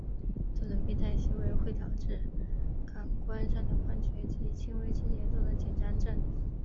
这种病态行为会导致感官上的幻觉及轻微至严重的紧张症。